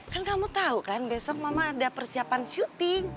kan kamu tahu kan besok mama ada persiapan syuting